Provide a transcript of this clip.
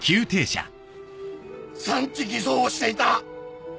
産地偽装をしていた。